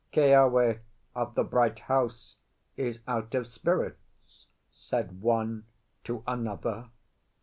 "Keawe of the Bright House is out of spirits," said one to another.